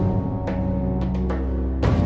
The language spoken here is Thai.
มั่นถูกจะอำนาจ